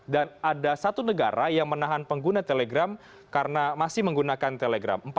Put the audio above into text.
dan ada satu negara yang menahan pengguna telegram karena masih menggunakan telegram